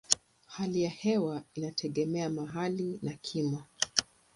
Hali ya hewa inategemea mahali na kimo.